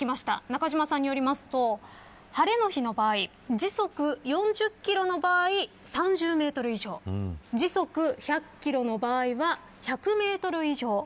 中島さんによりますと晴れの日の場合時速４０キロの場合３０メートル以上時速１００キロの場合は１００メートル以上。